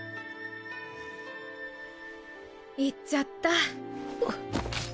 行っちゃった。